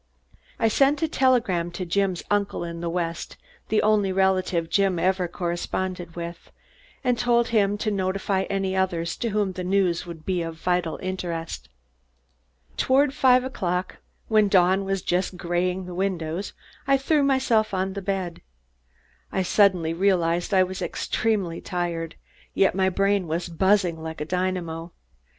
I sent a telegram to Jim's uncle in the West, the only relative Jim ever corresponded with, and told him to notify any others to whom the news would be of vital interest. Toward five o'clock, when dawn was just graying the windows, I threw myself on my bed. I suddenly realized I was extremely tired, yet my brain was buzzing like a dynamo.